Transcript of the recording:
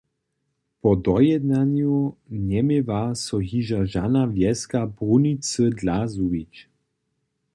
Po dojednanju njeměła so hižo žana wjeska brunicy dla zhubić.